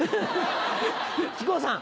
木久扇さん。